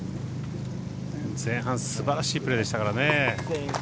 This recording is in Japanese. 前半素晴らしいプレーでしたからね。